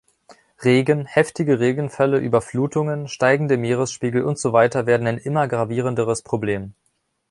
Regen, heftige Regenfälle, Überflutungen, steigende Meeresspiegel und so weiter werden ein immer gravierenderes Problem.